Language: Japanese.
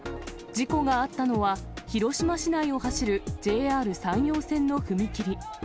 事故があったのは、広島市内を走るＪＲ山陽線の踏切。